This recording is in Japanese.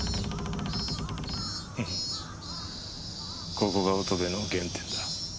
ここが乙部の原点だ。